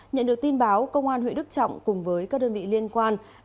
nhận được tin báo công an huyện đức trọng cùng với các đơn vị liên quan